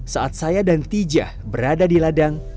saat saya dan tijah berada di ladang